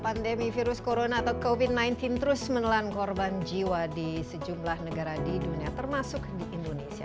pandemi virus corona atau covid sembilan belas terus menelan korban jiwa di sejumlah negara di dunia termasuk di indonesia